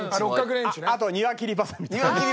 あと庭切りバサミとかね。